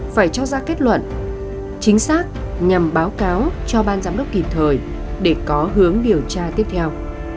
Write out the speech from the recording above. phải cho ra kết luận chính xác nhằm báo cáo cho ban giám đốc kịp thời để có hướng điều tra tiếp theo